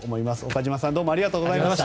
岡島さんどうもありがとうございました。